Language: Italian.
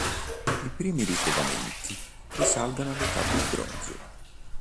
I primi ritrovamenti risalgono all'età del bronzo.